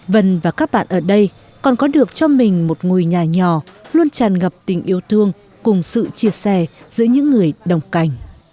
vân và các bạn ở đây còn có được cho mình một ngôi nhà nhỏ luôn tràn ngập tình yêu thương cùng sự chia sẻ giữa những người đồng cảnh